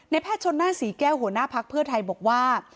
ในแพทย์ชนหน้าสีแก้วหัวหน้าภักษ์เพื่อไทยบอกว่า